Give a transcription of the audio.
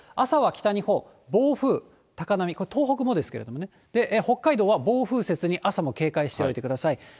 朝は北日本、暴風、高波、これ東北もですけどね、北海道は暴風雪に朝も警戒しておいてください。